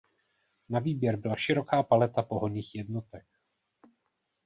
Na výběr byla široká paleta pohonných jednotek.